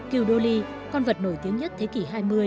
kiêu đô ly con vật nổi tiếng nhất thế kỷ hai mươi